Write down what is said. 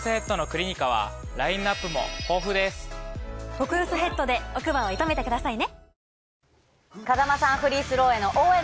極薄ヘッドで奥歯を射止めてくださいね！